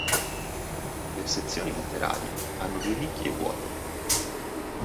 Le sezioni laterali hanno due nicchie vuote.